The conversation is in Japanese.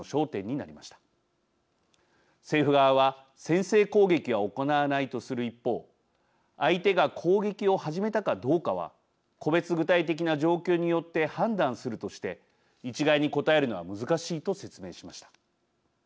政府側は先制攻撃は行わないとする一方相手が攻撃を始めたかどうかは個別具体的な状況によって判断するとして一概に答えるのは難しいと説明しました。